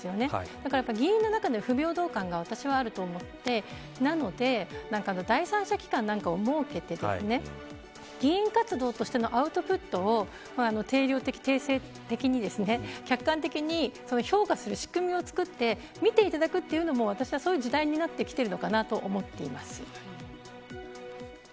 だから議員の中でも不平等感が、私はあると思ってなので第三者機関なんかを設けて議員活動としてのアウトプットを定量的、定性的に客観的に評価する仕組みを作って見ていただくというのも私は、そういう時代になってきているのかなと思っています。